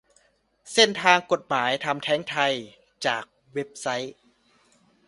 เส้นทางกฎหมายทำแท้งไทย จากเว็บไซค์